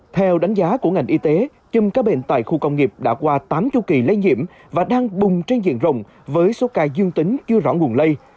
theo đánh giá của ngành y tế chùm các bệnh tại khu công nghiệp đã qua tám chu kỳ lây nhiễm và đang bùng trên diện rộng với số ca dương tính chưa rõ nguồn lây